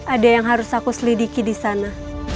ada yang harus aku selidiki disana